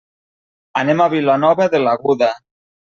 Anem a Vilanova de l'Aguda.